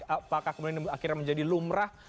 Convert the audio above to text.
apakah kemudian akhirnya menjadi lumrah